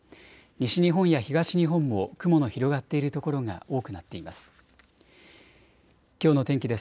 西日本や東日本も雲の広がっている所が多くなっています。